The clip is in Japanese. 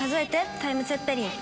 タイムツェッペリン！！」。